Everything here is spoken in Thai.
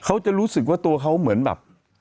เขาจะรู้สึกว่าตัวเขาเหมือนแบบ